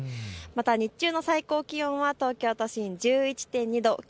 また日中の最高気温は東京都心１１．２度。